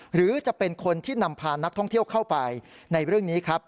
หรือจะเป็นคนที่นำพานักท่องเที่ยวเข้าไปในเรื่องนี้ครับ